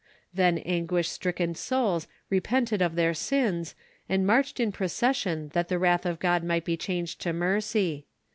Then anguish stricken souls repented of their sins, and marched in procession that the wrath of God might be changed to mercy.